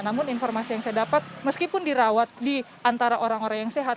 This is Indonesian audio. namun informasi yang saya dapat meskipun dirawat di antara orang orang yang sehat